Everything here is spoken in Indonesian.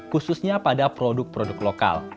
khususnya pada produk produk lokal